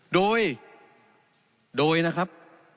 โดยโดยนะครับ